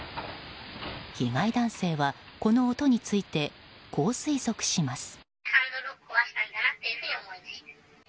被害男性は、この音についてこう推測します。